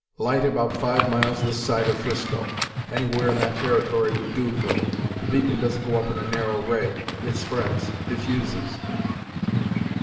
"Light about five miles this side of Frisco. Anywhere in that territory would do, though. The beacon doesn't go up in a narrow ray; it spreads, diffuses."